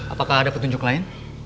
apakah ada petunjuk lain